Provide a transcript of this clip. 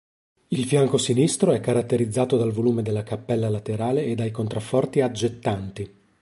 Il fianco sinistro è caratterizzato dal volume della cappella laterale e dai contrafforti aggettanti.